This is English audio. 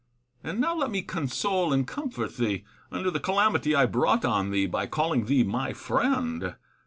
And now let me console and comfort thee, under the calamity I brought on thee l)y calling thee my friend.